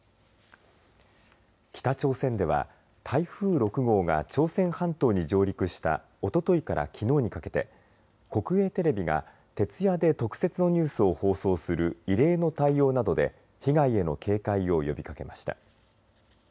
北朝鮮では、台風６号が朝鮮半島に上陸したおとといからきのうにかけて国営テレビが徹夜で特設のニュースを放送する異例の対応などで被害への警戒を呼びかけました。